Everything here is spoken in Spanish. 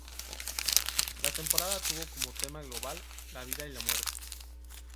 La temporada tuvo como tema global "La vida y la muerte".